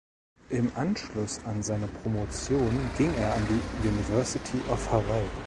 Im Anschluss an seine Promotion ging er an die University of Hawaii.